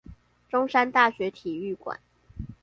中山大學體育館